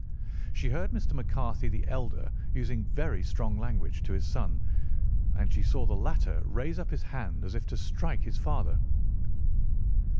She heard Mr. McCarthy the elder using very strong language to his son, and she saw the latter raise up his hand as if to strike his father.